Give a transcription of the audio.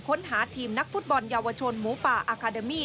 ค้นหาทีมนักฟุตบอลเยาวชนหมูป่าอาคาเดมี่